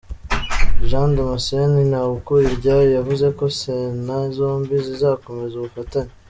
Jean Damascene Ntawukuriryayo yavuze ko Sena zombi zizakomeza ubufatanye.